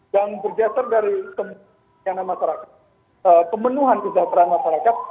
yang bergeser dari kemenuhan masyarakat rakyat